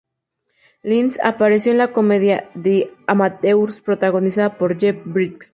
Linz apareció en la comedia The Amateurs, protagonizada por Jeff Bridges.